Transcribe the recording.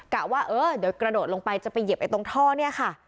ว่าเออเดี๋ยวกระโดดลงไปจะไปเหยียบตรงท่อเนี่ยค่ะ